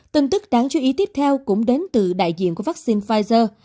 tin tức đáng chú ý tiếp theo cũng đến từ đại diện của vaccine pfizer